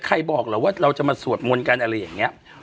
บอกเหรอว่าเราจะมาสวดมนต์กันอะไรอย่างนี้